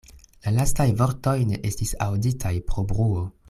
La lastaj vortoj ne estis aŭditaj pro bruo.